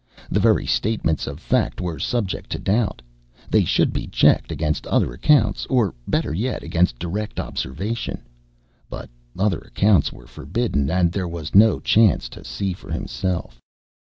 The very statements of fact were subject to doubt they should be checked against other accounts, or better yet against direct observation; but other accounts were forbidden and there was no chance to see for himself.